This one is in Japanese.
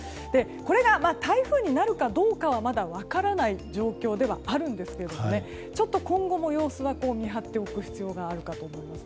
これが台風になるかどうかはまだ分からない状況ではあるんですが今後も様子を見張っておく必要があるかと思います。